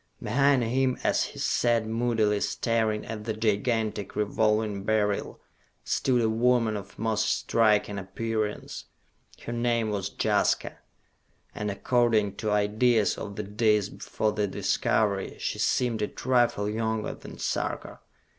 Behind him as he sat moodily staring at the gigantic Revolving Beryl stood a woman of most striking appearance. Her name was Jaska, and according to ideas of the Days Before the Discovery, she seemed a trifle younger than Sarka.